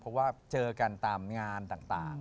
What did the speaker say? เพราะว่าเจอกันตามงานต่าง